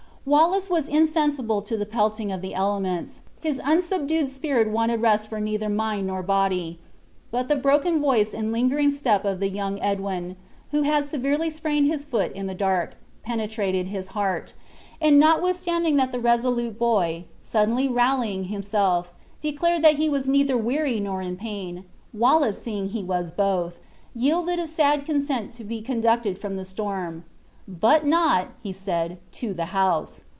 Wallace was insensible to the pelting of the elements; his unsubdued spirit wanted rest for neither mind nor body; but the broken voice and lingering step of the young Edwin, who had severely sprained his foot in the dark, penetrated his heart; and notwithstanding that the resolute boy, suddenly rallying himself, declared that he was neither weary nor in pain, Wallace seeing he was both, yielded a sad consent to be conducted from the storm. "But not," said he, "to the house.